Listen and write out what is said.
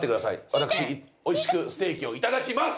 私おいしくステーキをいただきます。